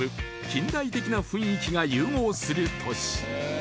近代的な雰囲気が融合する都市